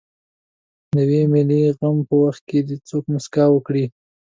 د یوه ملي غم په وخت دې څوک مسکا وکړي.